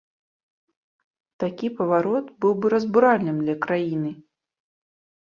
Такі паварот быў бы разбуральным для краіны!